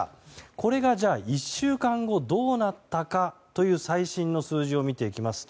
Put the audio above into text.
これが１週間後どうなったかという最新の数字を見ていきますと